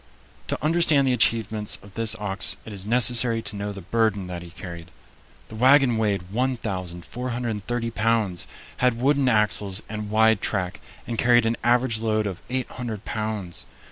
To understand the achievements of this ox it is necessary to know the burden that he carried. The wagon weighed 1430 pounds, had wooden axles and wide track, and carried an average load of 800 pounds.